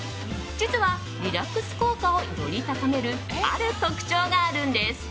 実は、リラックス効果をより高めるある特徴があるんです。